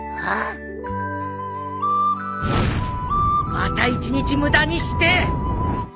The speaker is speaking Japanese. また一日無駄にして！